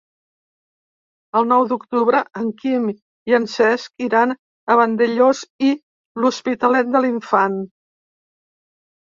El nou d'octubre en Quim i en Cesc iran a Vandellòs i l'Hospitalet de l'Infant.